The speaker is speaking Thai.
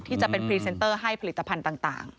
จะเป็นพรีเซนเตอร์ให้ผลิตภัณฑ์ต่าง